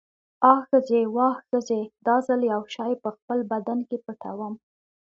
آ ښځې، واه ښځې، دا ځل یو شی په خپل بدن کې پټوم.